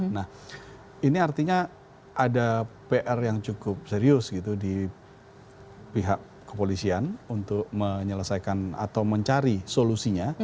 nah ini artinya ada pr yang cukup serius gitu di pihak kepolisian untuk menyelesaikan atau mencari solusinya